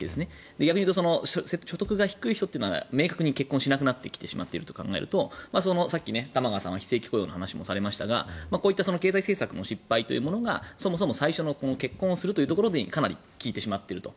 逆に言うと所得が低い人というのは明確に結婚しなくなってきていると考えるとさっき玉川さんが非正規雇用の話もされましたがこういった経済政策の失敗というものがそもそも最初の結婚をするというところに効いてしまっていると。